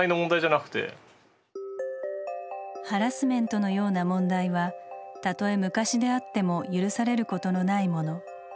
ハラスメントのような問題はたとえ昔であっても許されることのないもの。